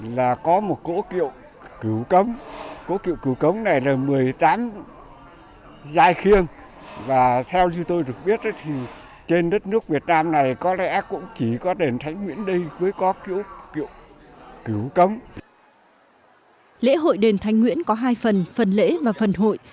lễ hội đền thánh nguyễn có hai phần phần lễ và phần hội